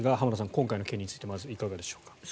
今回の件についてまずいかがでしょうか。